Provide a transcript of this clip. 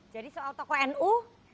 jadi soal tokoh nu